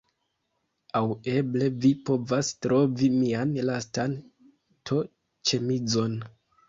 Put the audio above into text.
Aŭ eble vi povas trovi mian lastan t-ĉemizon.